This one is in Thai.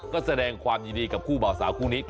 ก็แสดงความยินดีกับคู่บ่าวสาวคู่นี้